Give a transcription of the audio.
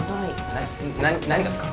な何がっすか？